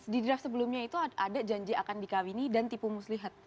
di draft sebelumnya itu ada janji akan dikawini dan tipu muslihat